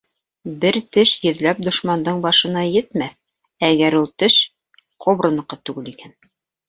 — Бер теш йөҙләп дошмандың башына етмәҫ... әгәр ул теш кобраныҡы түгел икән.